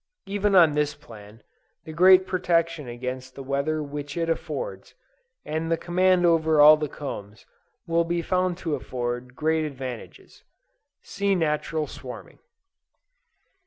Even on this plan, the great protection against the weather which it affords, and the command over all the combs, will be found to afford great advantages. (See Natural Swarming.)